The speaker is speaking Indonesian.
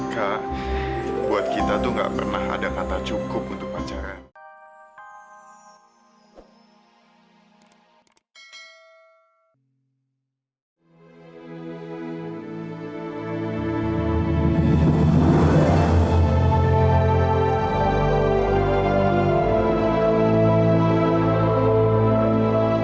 kak buat kita tuh gak pernah ada kata cukup untuk pacaran